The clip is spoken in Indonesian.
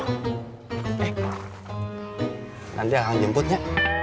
eh nanti akan jemputnya